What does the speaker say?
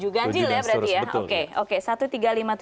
gajil ya berarti ya